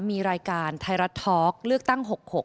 มีรายการไทยรัฐทอล์กเลือกตั้ง๖๖